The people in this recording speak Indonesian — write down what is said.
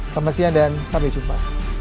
selamat siang dan sampai jumpa